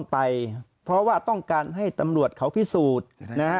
ไปเพราะว่าต้องการให้ตำรวจเขาพิสูจน์นะฮะ